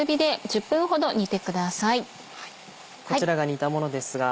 こちらが煮たものですが。